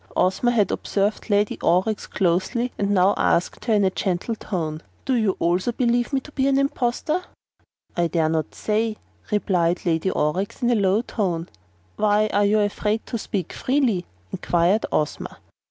Ozma had observed Lady Aurex closely and now asked her in a gentle tone: "Do you, also, believe me to be an impostor?" "I dare not say," replied Lady Aurex in a low tone. "Why are you afraid to speak freely?" inquired Ozma.